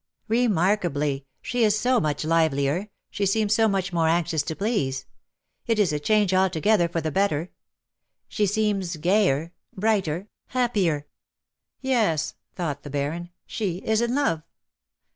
" Remarkably. She is so much livelier — she seems so much more anxious to please. It is a change altogether for the better. She seems gayer — brighter — happier .^^ "Yes/' thought the Baron^ ''she is in love.